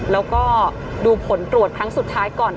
แล้วก็ดูผลตรวจครั้งสุดท้ายก่อน